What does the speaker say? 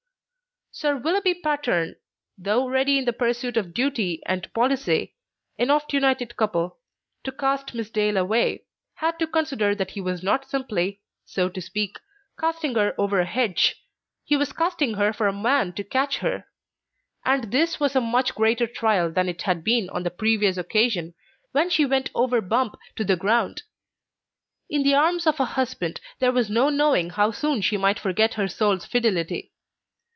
Sir Willoughby Patterne, though ready in the pursuit of duty and policy (an oft united couple) to cast Miss Dale away, had to consider that he was not simply, so to speak, casting her over a hedge, he was casting her for a man to catch her; and this was a much greater trial than it had been on the previous occasion, when she went over bump to the ground. In the arms of a husband, there was no knowing how soon she might forget her soul's fidelity.